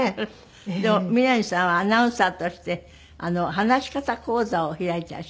でも南さんはアナウンサーとして話し方講座を開いてらっしゃるでしょ？